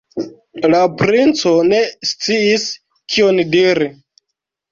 La princo ne sciis, kion diri.